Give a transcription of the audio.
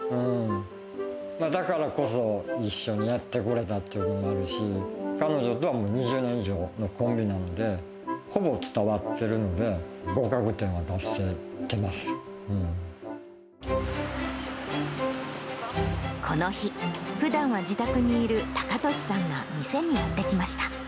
だからこそ一緒にやってこれたっていう部分もあるし、彼女とはもう２０年以上のコンビなんで、ほぼ伝わってるので、合格点は出この日、ふだんは自宅にいる隆敏さんが店にやって来ました。